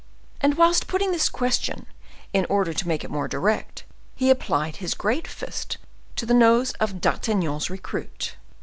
And whilst putting this question, in order to make it more direct, he applied his great fist to the nose of D'Artagnan's recruit.